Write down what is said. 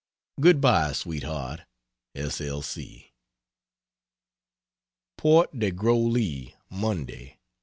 Good bye Sweetheart S. L. C. PORT DE GROLEE, Monday, 4.